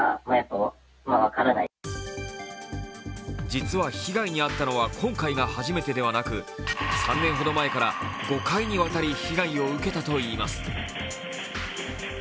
実は、被害に遭ったのは今回が初めてではなく３年ほど前から５回にわたり被害を受けたといいます。